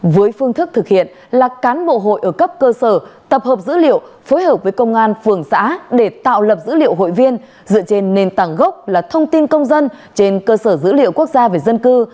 với phương thức thực hiện là cán bộ hội ở cấp cơ sở tập hợp dữ liệu phối hợp với công an phường xã để tạo lập dữ liệu hội viên dựa trên nền tảng gốc là thông tin công dân trên cơ sở dữ liệu quốc gia về dân cư